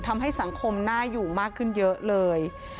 ทำให้สังคมน่าอยู่มากขึ้นเยอะเลย